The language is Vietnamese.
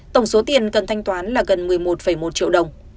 tổng số tiền cần thanh toán là gần một mươi đồng